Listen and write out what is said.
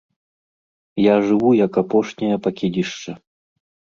Я жыву як апошняе пакідзішча.